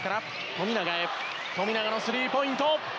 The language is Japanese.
富永のスリーポイント